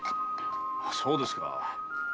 そうですか。